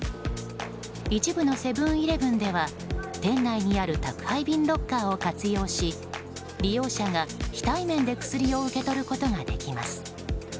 一部のセブン‐イレブンでは店内にある宅配便ロッカーを活用し利用者が非対面で薬を受け取ることができます。